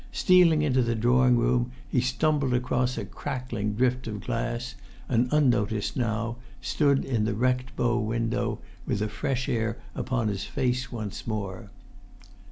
Stealing into the drawing room, he stumbled across a crackling drift of glass, and, unnoticed now, stood in the wrecked bow window, with the fresh air upon his face once more.